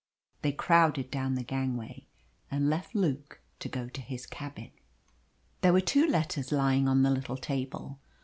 They crowded down the gangway and left Luke to go to his cabin. There were two letters lying on the little table.